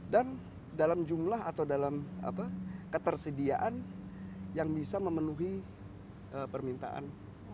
dan dalam jumlah atau dalam ketersediaan yang bisa memenuhi permintaan